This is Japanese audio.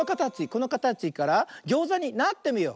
このかたちからギョーザになってみよう。